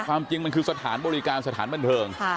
ความจริงมันคือสถานบริการสถานบันเทิง